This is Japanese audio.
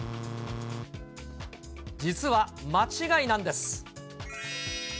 実は間違いなんです。